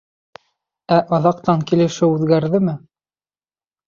Ә аҙаҡтан килешеү үҙгәрҙеме?